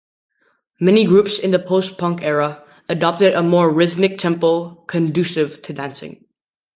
Many groups in the post-punk era adopted a more rhythmic tempo, conducive to dancing.